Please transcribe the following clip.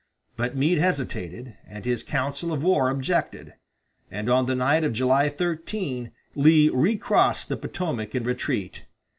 But Meade hesitated, and his council of war objected; and on the night of July 13 Lee recrossed the Potomac in retreat.